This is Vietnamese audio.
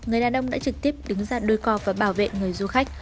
người đàn ông đã trực tiếp đứng ra đôi co và bảo vệ người du khách